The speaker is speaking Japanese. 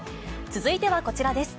続いてはこちらです。